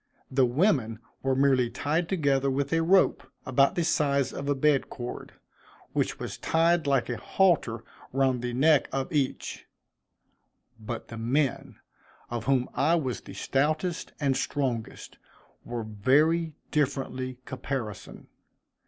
The women were merely tied together with a rope, about the size of a bed cord, which was tied like a halter round the neck of each; but the men, of whom I was the stoutest and strongest, were very differently caparisoned.